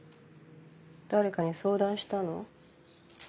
誰かに相談したの？